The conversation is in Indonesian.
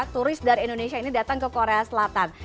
turis dari indonesia ini datang ke korea selatan